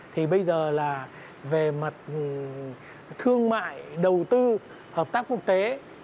thì bây giờ là về mặt thương mại đầu tư hợp tác quốc tế